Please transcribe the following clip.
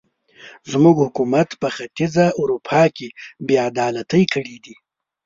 زموږ حکومت په ختیځه اروپا کې بې عدالتۍ کړې دي.